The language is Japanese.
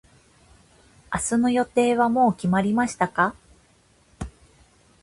明日の予定はもう決まりましたか。